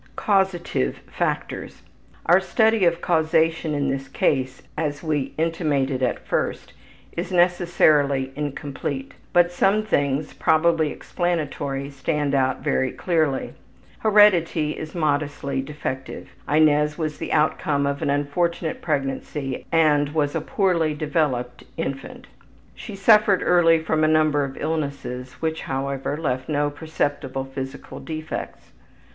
Causative Factors: Our study of causation in this case, as we intimated at first, is necessarily incomplete. But some things, probably explanatory, stand out very clearly. Heredity is moderately defective. Inez was the outcome of an unfortunate pregnancy and was a poorly developed infant. She suffered early from a number of illnesses, which, however, left no perceptible physical defects.